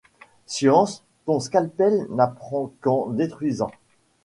Science, ton scalpel n’apprendqu’en détruisant !